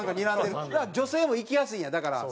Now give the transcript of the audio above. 女性も行きやすいんやだから。